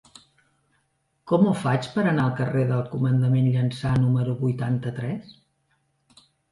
Com ho faig per anar al carrer del Comandant Llança número vuitanta-tres?